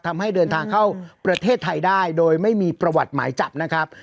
ทำให้เดินทางเข้าประเทศไทยได้โดยไม่มีประวัติหมายจับนะครับ